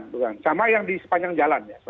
bukan sama yang di sepanjang jalan ya